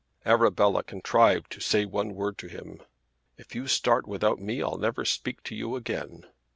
Arabella contrived to say one word to him. "If you start without me I'll never speak to you again."